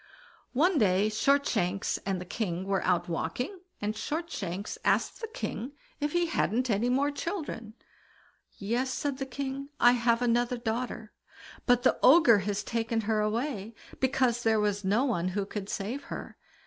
One day Shortshanks and the king were out walking, and Shortshanks asked the king if he hadn't any more children? "Yes", said the king, "I had another daughter; but the Ogre has taken her away, because there was no one who could save her.